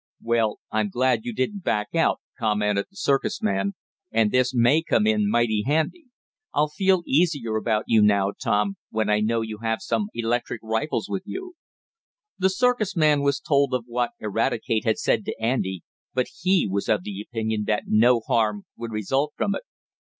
"Well, I'm glad you didn't back out," commented the circus man, "and this may come in mighty handy. I'll feel easier about you now, Tom, when I know you have some electric rifles with you." The circus man was told of what Eradicate had said to Andy, but he was of the opinion that no harm would result from it.